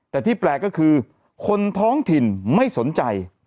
แต่ที่แปลกก็คือคนท้องถิ่นไม่สนใจ